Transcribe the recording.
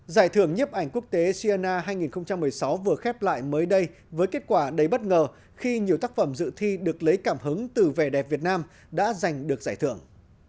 giải thưởng nhếp ảnh quốc tế sina hai nghìn một mươi sáu vừa khép lại mới đây với kết quả đầy bất ngờ khi nhiều tác phẩm dự thi được lấy cảm hứng từ vẻ đẹp việt nam đã giành được giải thưởng